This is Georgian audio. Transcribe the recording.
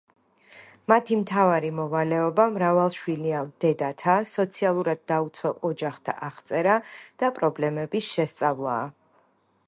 მათი მთავარი მოვალეობა მრავალშვილიან დედათა, სოციალურად დაუცველ ოჯახთა აღწერა და პრობლემების შესწავლაა.